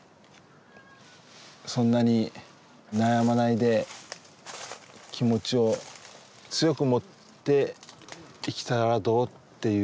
そんなに悩まないで気持ちを強くもって生きたらどう？っていうような